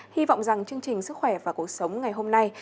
hy vọng rằng chương trình sức khỏe và cuộc sống ngày hôm nay